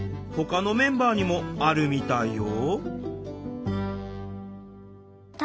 ほかのメンバーにもあるみたいよ